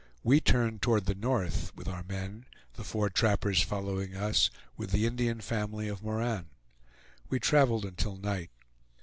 We turned toward the north with our men, the four trappers following us, with the Indian family of Moran. We traveled until night.